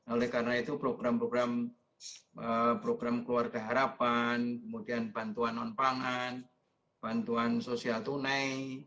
oleh karena itu program program keluarga harapan bantuan nonpangan bantuan sosial tunai